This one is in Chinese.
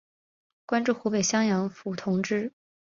官至湖北襄阳府同知。